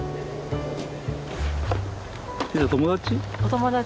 友達？